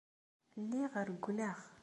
Lliɣ rewwleɣ.